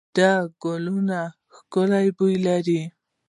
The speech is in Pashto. دا ګلونه ښکلې بوی لري.